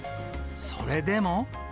それでも。